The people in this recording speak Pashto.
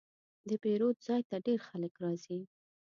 د پیرود ځای ته ډېر خلک راځي.